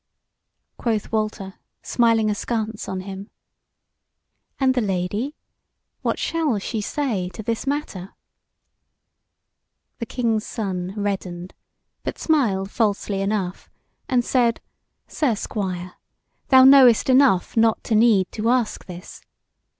Quoth Walter, smiling askance on him: "And the Lady? what shall she say to this matter?" The King's Son reddened, but smiled falsely enough, and said: "Sir Squire, thou knowest enough not to need to ask this.